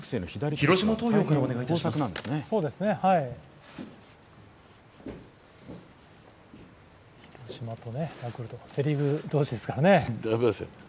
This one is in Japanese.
広島とヤクルトのセ・リーグ同士ですからね。